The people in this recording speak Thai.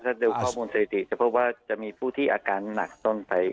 ถ้าดูข้อมูลสถิติจะพบว่าจะมีผู้ที่อาการหนักต้นไป